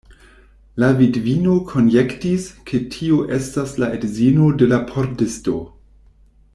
La vidvino konjektis, ke tio estas la edzino de la pordisto.